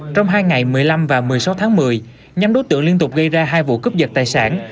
trong hai ngày một mươi năm và một mươi sáu tháng một mươi nhóm đối tượng liên tục gây ra hai vụ cướp giật tài sản